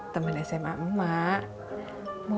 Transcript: temen deskripsi masih emak emak